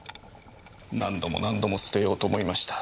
何度も何度も捨てようと思いました。